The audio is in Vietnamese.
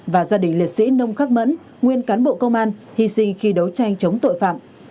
và gia đình liệt sĩ nông khắc mẫn nguyên cán bộ công an hy sinh khi đấu tranh chống tội phạm